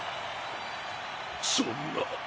そんな。